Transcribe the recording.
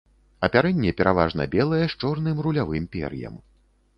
Апярэнне пераважна белае з чорным рулявым пер'ем.